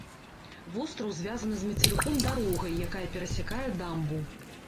Востраў звязаны з мацерыком дарогай, якая перасякае дамбу.